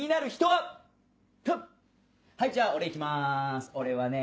はいじゃあ俺行きます俺はね